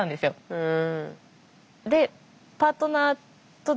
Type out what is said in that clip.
うん。